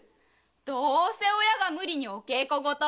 どうせ親が無理にお稽古事を。